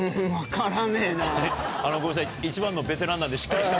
ごめんなさい一番のベテランなんで。